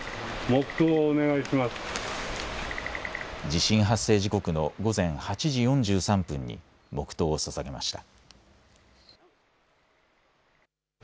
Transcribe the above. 地震発生時刻の午前８時４３分に黙とうをささげました。